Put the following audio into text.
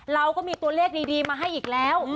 เราก็มีตัวเลขดีมาให้อีกแล้ว